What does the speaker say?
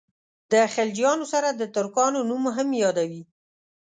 د خلجیانو سره د ترکانو نوم هم یادوي.